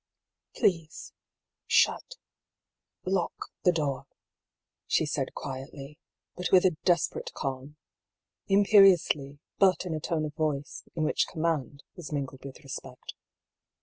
" Please — shut — lock the door," she said quietly, but with a desperate calm — imperiously, but in a tone of voice in which command was mingled with respect.